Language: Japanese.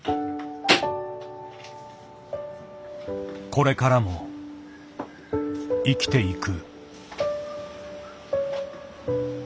これからも生きていく。